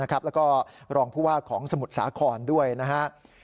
แล้วก็รองผู้ว่าของสมุทรสาครด้วยนะครับ